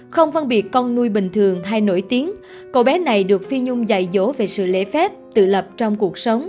không phân biệt con nuôi bình thường hay nổi tiếng cậu bé này được phi nhung dạy dỗ về sự lễ phép tự lập trong cuộc sống